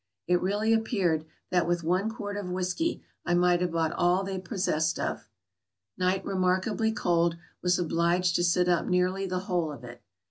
It really appeared that with one quart of whiskey I might have bought all they were possessed of. Night remarkably cold, was obliged to sit up nearly the whole of it.